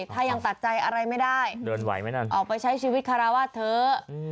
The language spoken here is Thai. ถ้ายังตัดใจอะไรไม่ได้ออกไปใช้ชีวิตคาราวัตรเถอะ